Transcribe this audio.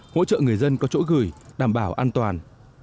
hỗ trợ người dân có chỗ gửi đảm bảo an toàn